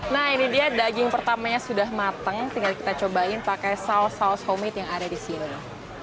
nah ini dia daging pertamanya sudah mateng tinggal kita cobain pakai saus saus homemade yang ada di sini